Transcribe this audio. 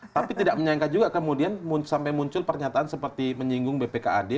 tapi tidak menyangka juga kemudian sampai muncul pernyataan seperti menyinggung bpkad